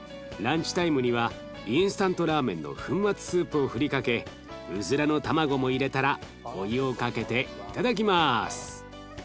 ランチタイムにはインスタントラーメンの粉末スープをふりかけうずらの卵も入れたらお湯をかけていただきます！